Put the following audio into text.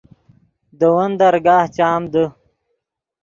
دے ون درگاہ چام دے